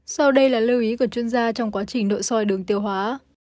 sau đây là lưu ý của chuyên gia trong quá trình nội soi đường tiêu hóa